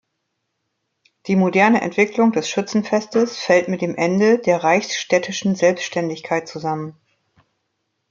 Die moderne Entwicklung des Schützenfestes fällt mit dem Ende der reichsstädtischen Selbstständigkeit zusammen.